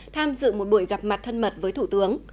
tham dự một buổi gặp mặt thân mật với thủ tướng